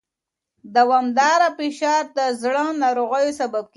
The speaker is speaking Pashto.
دوامداره فشار د زړه ناروغیو سبب کېږي.